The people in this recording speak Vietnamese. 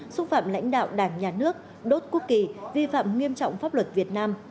xúc phạm lãnh đạo đảng nhà nước đốt quốc kỳ vi phạm nghiêm trọng pháp luật việt nam